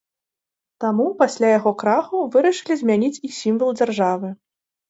Таму пасля яго краху вырашылі змяніць і сімвал дзяржавы.